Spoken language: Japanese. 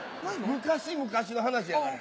昔昔の話やから。